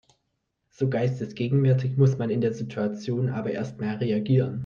So geistesgegenwärtig muss man in der Situation aber erstmal reagieren.